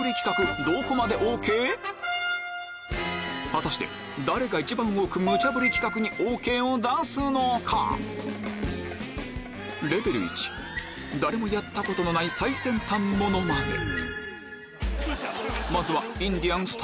果たして誰が一番多くムチャブリ企画にＯＫを出すのか⁉誰もやったことのないまずは「インディアンス」